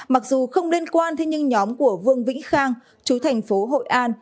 mặc dù không liên quan thế nhưng nhóm của vương vĩnh khang chú thành phố hội an